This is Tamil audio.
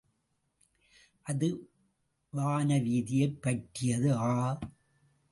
அது வானவீதியைப் பற்றியது. ஆ!